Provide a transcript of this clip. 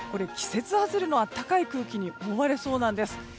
季節外れの暖かい空気に覆われそうなんです。